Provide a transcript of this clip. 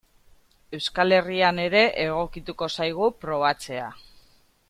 Euskal Herrian ere egokituko zaigu probatzea.